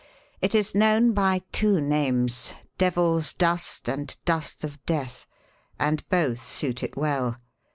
"It is known by two names Devil's Dust and Dust of Death, and both suit it well.